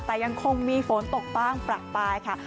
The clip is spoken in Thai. แต่ยังคงมีฝนตกบ้างประปรายค่ะ